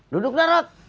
duduk ya rat